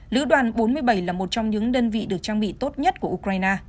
lữ đoàn bốn mươi bảy là một trong những đơn vị được trang bị tốt nhất của ukraine